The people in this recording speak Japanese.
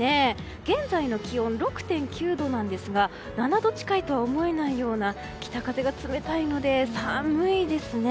現在の気温６．９度なんですが７度近いとは思えないような北風が冷たいので、寒いですね。